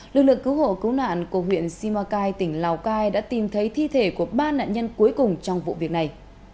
lực lượng cứu hộ cứu nạn của huyện simacai tỉnh lào cai đã tìm thấy thi thể của ba nạn nhân cuối cùng trong vụ việc này